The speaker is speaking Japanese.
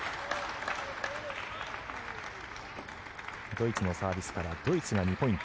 ドイツのサービスからドイツが２ポイント。